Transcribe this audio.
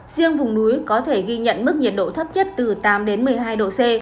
riêng vùng núi có thể ghi nhận mức nhiệt độ thấp nhất từ tám đến một mươi hai độ c